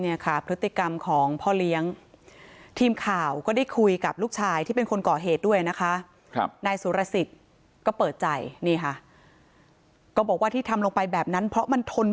นี่ค่ะพฤติกรรมของพ่อเลี้ยงทีมข่าวก็ได้คุยกับลูกชายที่เป็นคนก่อเหตุด้วยนะคะ้ายสุรสิทธิ์ก็เปิดใจนี่ค่ะ